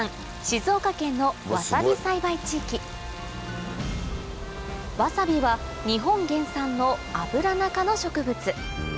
静岡県のわさび栽培地域わさびは日本原産のアブラナ科の植物